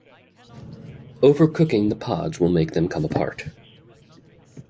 Over-cooking the pods will make them come apart.